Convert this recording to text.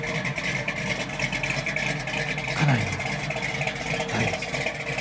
家内の多江です。